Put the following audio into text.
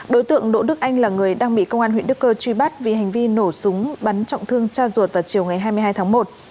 đối tượng đỗ đức anh là người đang bị công an huyện đức cơ truy bắt vì hành vi nổ súng bắn trọng thương cha ruột vào chiều ngày hai mươi hai tháng một